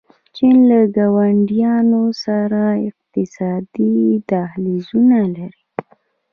چین له ګاونډیانو سره اقتصادي دهلیزونه لري.